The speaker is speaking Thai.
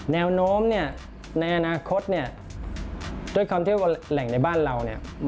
แนวโน้มในอนาคตด้วยความที่ว่าแหล่งในบ้านเรา